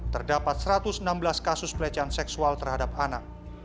terdapat satu ratus enam belas kasus pelecehan seksual terhadap anak